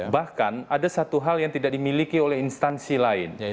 bahkan ada satu hal yang tidak dimiliki oleh instansi lain